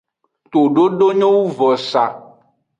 Tododo nyo wu vosaa.